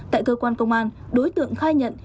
tại cơ quan công an đối tượng khai nhận